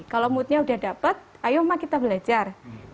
kalau moodnya sudah dapat ayo ma kita belajar